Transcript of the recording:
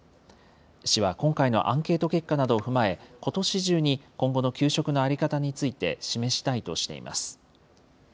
市は今回のアンケート結果などを踏まえ、ことし中に今後の給食の在り方について示したいとしています。